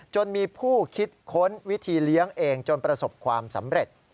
จนมีผู้คิดค้นวิธีเลี้ยงเองจนประสบความสำเร็จ